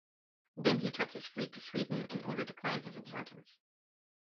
Then he took his fleet to Sweden in order to claim his inheritance.